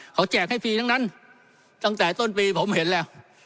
เขาแจกให้ฟรีทั้งนั้นตั้งแต่ต้นปีผมเห็นแล้ว